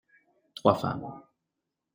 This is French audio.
Trois femmes.